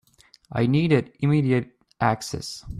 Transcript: I needed immediate access.